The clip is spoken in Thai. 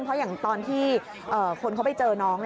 เพราะอย่างตอนที่คนเขาไปเจอน้อง